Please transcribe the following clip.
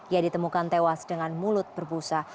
ia ditemukan tewas dengan mulut berbusa